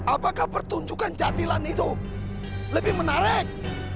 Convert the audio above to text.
apakah pertunjukan jatilan itu lebih menarik